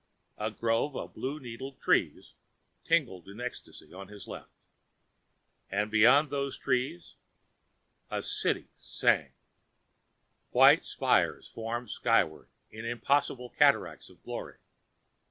A grove of blue needle trees tinkled in ecstasy on his left. And beyond those trees.... The city sang. White spires foamed skyward in impossible cataracts of glory.